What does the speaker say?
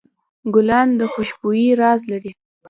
ګلان د خوشبویۍ راز لري.